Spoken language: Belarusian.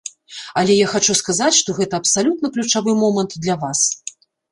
Але я хачу сказаць, што гэта абсалютна ключавы момант для вас.